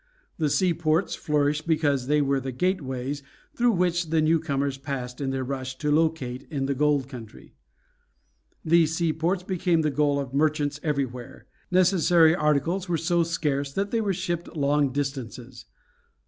The seaports flourished because they were the gateways through which the newcomers passed in their rush to locate in the gold country. These seaports became the goal of merchants everywhere. Necessary articles were so scarce that they were shipped long distances.